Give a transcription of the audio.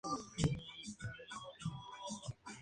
Campeones de la Segunda División.